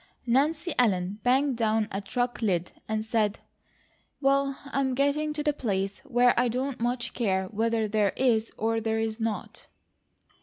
Nancy Ellen banged down a trunk lid and said: "Well, I am getting to the place where I don't much care whether there is or there is not."